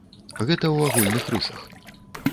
Гэта ў агульных рысах.